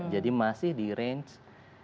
jadi masih di range